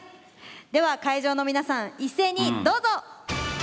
では会場の皆さん一斉にどうぞ！